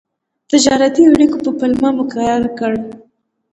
تجارتي اړیکو په پلمه مقرر کړ.